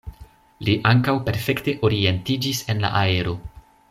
Li ankaŭ perfekte orientiĝis en la aero.